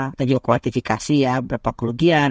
kita juga kualifikasi ya berapa kegugian